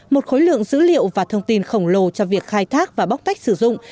một khối lượng dữ liệu và thông tin khổng lồ cho việc khai thác và bóc tách sử dụng